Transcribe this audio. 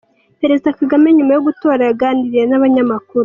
Perezida Kagame nyuma yo gutora yaganiriye n’abanyamakuru.